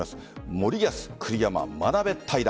森保、栗山、眞鍋対談。